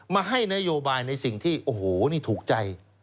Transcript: มาให้นโยบายในสิ่งที่โอ้โหนี่ถูกใจ